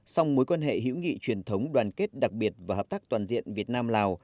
song mối quan hệ hữu nghị truyền thống đoàn kết đặc biệt và hợp tác toàn diện việt nam lào